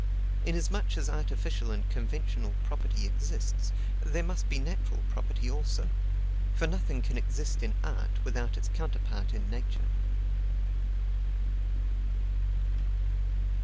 Inasmuch as artificial and conventional property exists, there must be natural property also; for nothing can exist in art without its counterpart in Nature."